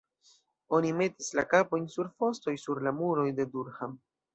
Oni metis la kapojn sur fostoj sur la muroj de Durham.